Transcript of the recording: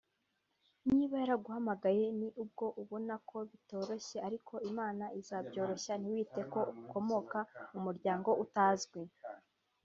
niba yaraguhamagaye ni ubwo ubona ko bitoroshye ariko Imana izabyoroshya ntiwite ko ukomoka mu muryango utazwi